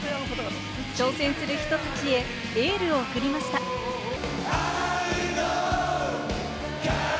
挑戦する人たちへエールを送りました。